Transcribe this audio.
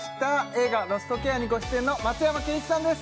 映画「ロストケア」にご出演の松山ケンイチさんです